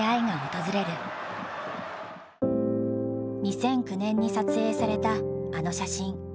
２００９年に撮影されたあの写真。